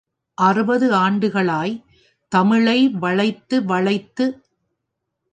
அறுபது ஆண்டுகளாய்த் தமிழை வளைத்து வளைத்து.